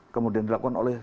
kemudian dilakukan oleh